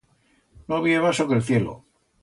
No viyebas soque el cielo.